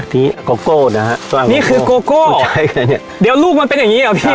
ที่โกโก้นะฮะนี่คือโกโก้เดี๋ยวลูกมันเป็นอย่างงีเหรอพี่